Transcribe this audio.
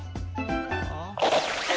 ああ。